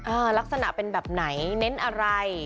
ลักษณะเป็นแบบไหนเน้นอะไร